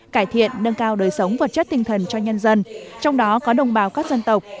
cải thiện nâng cao đời sống vật chất tinh thần cho nhân dân trong đó có đồng bào các dân tộc